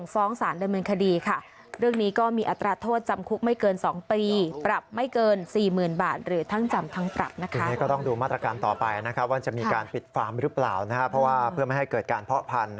ฟาร์มหรือเปล่าเพื่อไม่ให้เกิดการเพาะพันธุ์